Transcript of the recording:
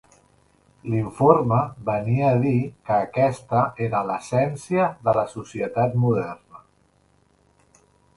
L'informe venia a dir que aquesta era l'essència de la societat moderna.